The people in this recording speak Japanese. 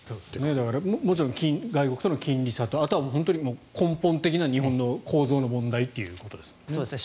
だからもちろん外国との金利差とあとは本当に根本的に日本の構造の問題ということですね。